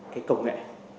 cái công nghệ